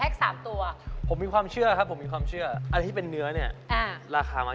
กลับไปเช็คราคาที่หนังวนแล้วกันนะ